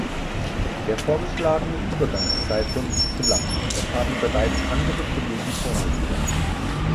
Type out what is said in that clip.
Der vorgeschlagene Übergangszeitraum ist zu lang, das haben bereits andere Kollegen vor mir gesagt.